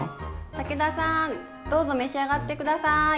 武田さんどうぞ召し上がって下さい！